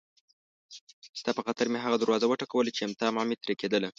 ستا په خاطر مې هغه دروازه وټکوله چې طمعه مې ترې کېدله.